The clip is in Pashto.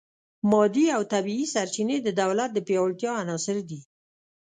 مادي او طبیعي سرچینې د دولت د پیاوړتیا عناصر دي